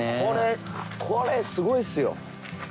これこれすごいっすよ。